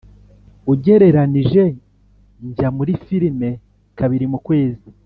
ugereranije, njya muri firime kabiri mu kwezi.